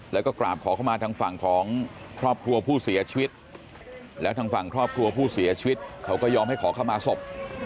แล้วก็กราบขอเข้ามาทางฝั่งของครอบครัวผู้เสียชีวิตแล้วทางฝั่งครอบครัวผู้เสียชีวิตเขาก็ยอมให้ขอเข้ามาศพ